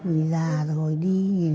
vì già rồi đi